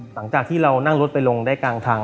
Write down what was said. หลังจากที่เรานั่งรถไปลงได้กลางทาง